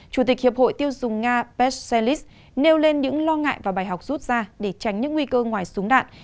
chủ tịch hiệp hội tiêu dùng nga pesellis nêu lên những lo ngại và bài học rút ra để tránh những nguy cơ ngoài súng đạn